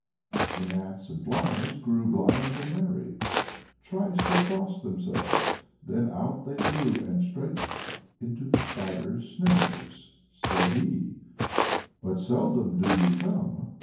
The gnats and flies grew blithe and merry. Thrice they crossed themselves, then out they flew and straight into the Spider's snares. Said he: "But seldom do ye come!